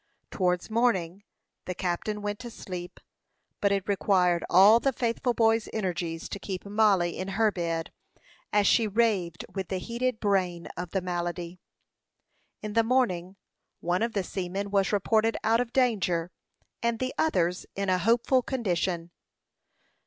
Towards morning the captain went to sleep; but it required all the faithful boy's energies to keep Mollie in her bed, as she raved with the heated brain of the malady. In the morning one of the seamen was reported out of danger, and the others in a hopeful condition.